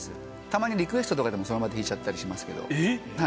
たまにリクエストとかその場で弾いちゃったりしますけど。